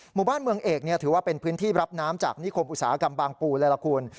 หมู่บ้านเมืองเอกถือว่าเป็นพื้นที่รับน้ำจากนิคมอุตสาหกรรมบางปูเลยล่ะคุณ